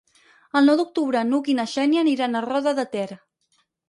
El nou d'octubre n'Hug i na Xènia aniran a Roda de Ter.